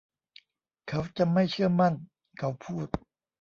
เขาจะไม่เชื่อมั่นเขาพูด